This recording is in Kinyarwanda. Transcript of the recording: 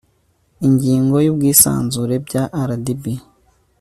ingingo ya ubwisanzure bya rdb